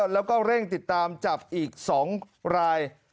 แล้วก็เร่งติดตามจับอีก๒ราย